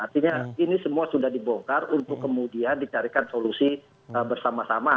artinya ini semua sudah dibongkar untuk kemudian dicarikan solusi bersama sama